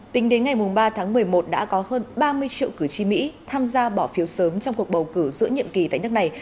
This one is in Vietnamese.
tính đến ngày ba tháng một mươi một đã có hơn ba mươi triệu cử tri mỹ tham gia bỏ phiếu sớm trong cuộc bầu cử giữa nhiệm kỳ tại nước này